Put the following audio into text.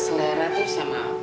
perhiasan imitasi kayak gitu